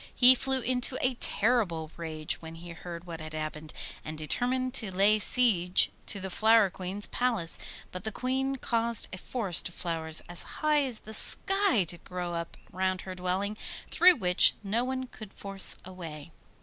He flew into a terrible rage when he heard what had happened, and determined to lay siege to the Flower Queen's palace; but the Queen caused a forest of flowers as high as the sky to grow up round her dwelling, through which no one could force a way.